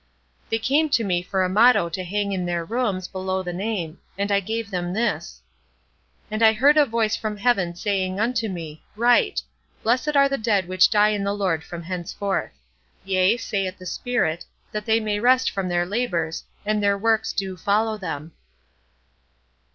"They came to me for a motto to hang in their rooms, below the name; and I gave them this: "'And I heard a voice from heaven saying unto me. Write. Blessed are the dead which die in the Lord from henceforth: Yea, saith the Spirit, that they may rest from their labors: and their works do follow them.'"